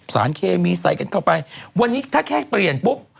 สารเคมีใส่กันเข้าไปวันนี้ถ้าแค่เปลี่ยนปุ๊บ